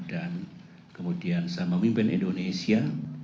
dan kemudian saya memimpin indonesia